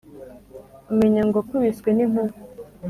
Umenya ngo akubiswe n’inkuba